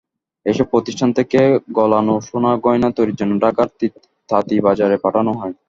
এসব প্রতিষ্ঠান থেকে গলানো সোনা গয়না তৈরির জন্য ঢাকার তাঁতীবাজারে পাঠানো হয়।